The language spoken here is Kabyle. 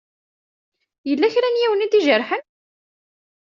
Yella kra n yiwen i d-ijerḥen?